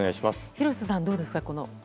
廣瀬さん、どうですか？